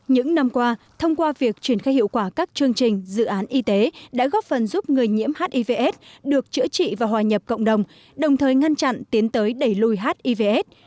những năm qua thông qua việc triển khai hiệu quả các chương trình dự án y tế đã góp phần giúp người nhiễm hivs được chữa trị và hòa nhập cộng đồng đồng thời ngăn chặn tiến tới đẩy lùi hivs